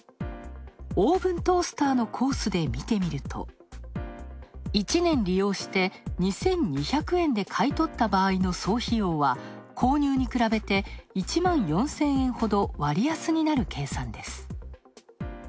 オーブントースターのコースで見てみると１年利用して２２００円で買い取った場合の総費用は、購入に比べて１万４０００円ほど割安になる計算です。